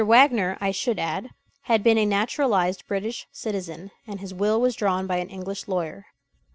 Wagner, I should add, had been a naturalized British citizen, and his will was drawn by an English lawyer.